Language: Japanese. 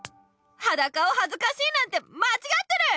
はだかをはずかしいなんてまちがってる！